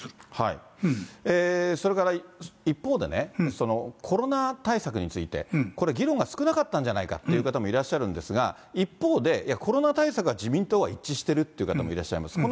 それから一方でね、コロナ対策について、これ、議論が少なかったんじゃないかという方が多いんですが、一方で、いや、コロナ対策は自民党は一致してるって言う方もいらっしゃいます。